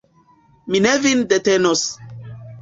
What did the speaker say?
Mi ne vin detenos.